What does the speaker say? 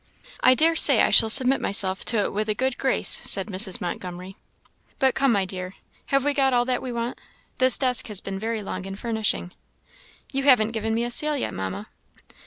"I dare say I shall submit myself to it with a good grace, said Mrs. Montgomery. "But come, my dear, have we got all that we want? This desk has been very long in furnishing." "You haven't given me a seal yet, Mamma."